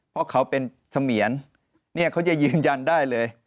เพราะเขาเป็นเสมียรเนี่ยเขาจะยืนยันได้เลย